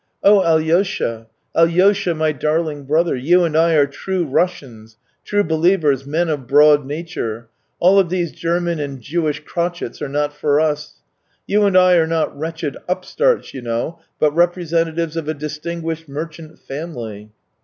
Oh, Alyosha, Alyosha, my darling brother ! You and I are true Russians, true believers, men of broad nature; all these German and Jewish crotchets are not for us. You and I are not wretched upstarts, you know, but representatives of a distinguished merchant family."